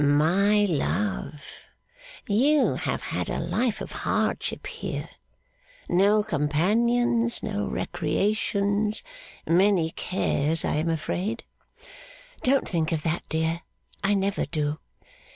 'My love, you have had a life of hardship here. No companions, no recreations, many cares I am afraid?' 'Don't think of that, dear. I never do.